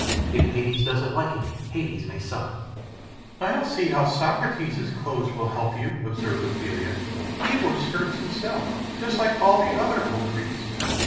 If Hades doesn't like it, Hades may suffer." "I don't see how Socrates' clothes will help you," observed Ophelia. "He wore skirts himself, just like all the other old Greeks.